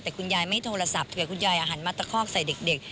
แต่คุณยายไม่โทรศัพท์เผื่อคุณยายหันมาตะคอกใส่เด็ก